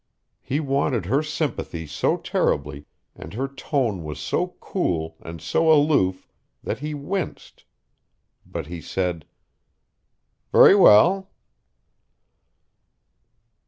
He wanted her sympathy so terribly, and her tone was so cool and so aloof that he winced; but he said: "Very well?"